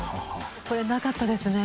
これなかったですね